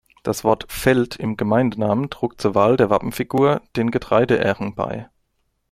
Das Wort „Feld“ im Gemeindenamen, trug zur Wahl der Wappenfigur, den Getreideähren bei.